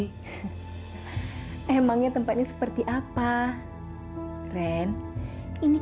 tapi bukan di tempat seperti ini